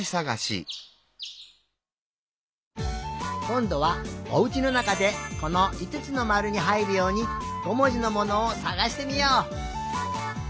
こんどはおうちのなかでこのいつつのまるにはいるように５もじのものをさがしてみよう！